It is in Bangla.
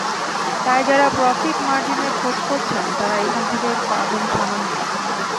তাই যাঁরা প্রফিট মার্জিনের খোঁজ করছেন, তাঁরা এখান থেকে পাবেন সামান্যই।